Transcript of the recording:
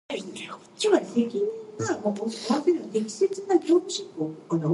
The Jacobite song "Lady Keith's Lament" is sung to the same tune.